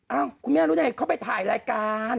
อ้าวคุณแม่รู้ยังไงเขาไปถ่ายรายการ